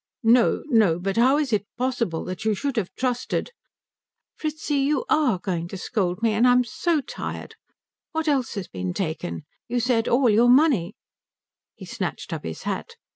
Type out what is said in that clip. "No, no but how is it possible that you should have trusted " "Fritzi, you are going to scold me, and I'm so tired. What else has been taken? You said all your money " He snatched up his hat.